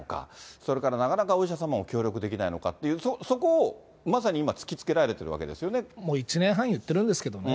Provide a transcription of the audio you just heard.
それからなかなかお医者様も協力できないのかっていう、そこをまさに今、もう１年半言ってるんですけれどもね。